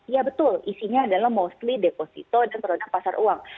ya betul isinya adalah mostly deposito dan produk pasar uang